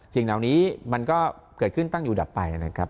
สิ่งเหล่านี้มันก็เกิดขึ้นตั้งอยู่ดับไปนะครับ